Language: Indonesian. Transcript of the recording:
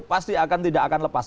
pasti tidak akan lepas